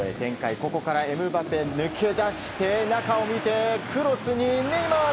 ここからエムバペが抜け出して中を見てクロスにネイマール！